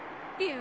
え？